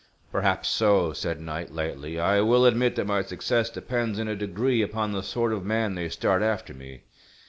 "Perhaps so," said Knight, lightly. "I will admit that my success depends in a degree upon the sort of man they start after me.